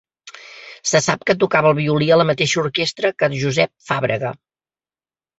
Se sap que tocava el violí a la mateixa orquestra que Josep Fàbrega.